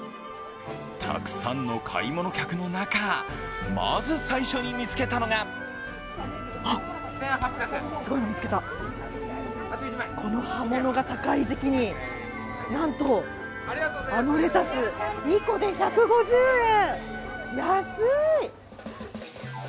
たくさんの買い物客の中、まず最初に見つけたのがこの葉物が高い時期に、なんとあのレタス２個で１５０円、安い！